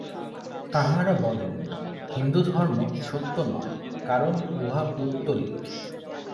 তাঁহারা বলেন, হিন্দুধর্ম সত্য নয়, কারণ উহা পৌত্তলিক।